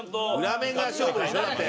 裏面が勝負でしょだって。